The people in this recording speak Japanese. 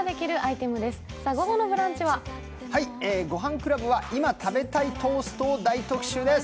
「ごはんクラブ」は今食べたいトーストを大特集です。